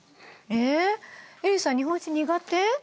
えりさん日本史苦手？